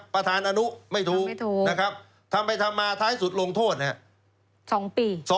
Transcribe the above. ประธานอนุไม่ถูกทำไมทำมาท้ายสุดลงโทษ